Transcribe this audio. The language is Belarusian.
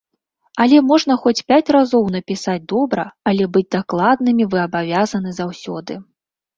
Але можна хоць пяць разоў напісаць добра, але быць дакладнымі вы абавязаны заўсёды.